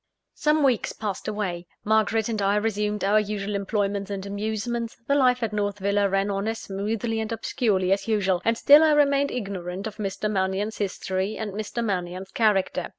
Some weeks passed away; Margaret and I resumed our usual employments and amusements; the life at North Villa ran on as smoothly and obscurely as usual and still I remained ignorant of Mr. Mannion's history and Mr. Mannion's character.